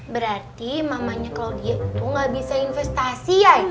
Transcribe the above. berarti mamahnya claudia tuh gak bisa investasi ya